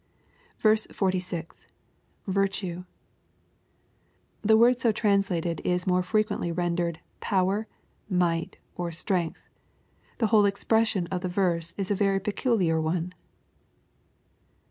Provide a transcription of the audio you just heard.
46. —[ Vtriiie,] The word so translated is more frequently rendered " power," " mighty'* or " strength." The whole expression of the verse is a very peculiar one.